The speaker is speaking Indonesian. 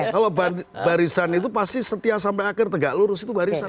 kalau barisan itu pasti setia sampai akhir tegak lurus itu barisan